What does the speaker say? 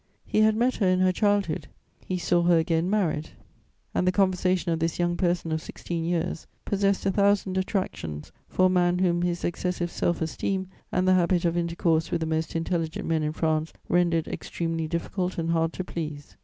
He had met her in her childhood, he saw her again married, and the conversation of this young person of sixteen years possessed a thousand attractions for a man whom his excessive self esteem and the habit of intercourse with the most intelligent men in France rendered extremely difficult and hard to please.